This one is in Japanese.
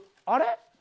あれ？